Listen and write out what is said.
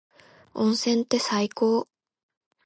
温泉って最高。